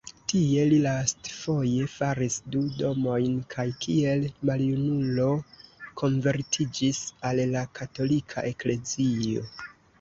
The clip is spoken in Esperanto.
Tie li lastfoje faris du domojn kaj kiel maljunulo konvertiĝis al la Katolika Eklezio.